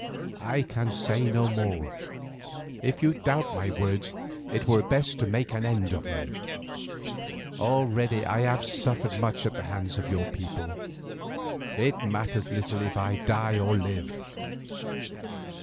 I can say no more, if you doubt my words it were best to make an end of me. Already I have suffered much at the hands of your people; it matters little if I die or live."